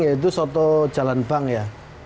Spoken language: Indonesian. yaitu soto jalanbang ya